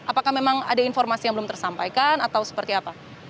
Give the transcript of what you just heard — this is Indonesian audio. apakah memang ada informasi yang belum tersampaikan atau seperti apa